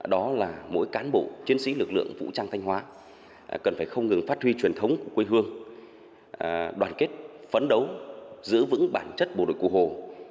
đó là mỗi cán bộ chiến sĩ lực lượng vũ trang thanh hóa cần phải không ngừng phát huy truyền thống của quê hương đoàn kết phấn đấu giữ vững bản chất bộ đội cụ hồ